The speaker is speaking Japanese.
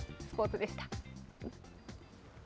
スポーツでした。